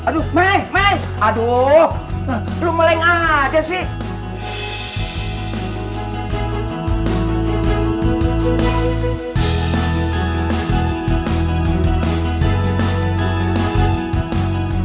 aduh aduh mei mei aduh lo melengah aja sih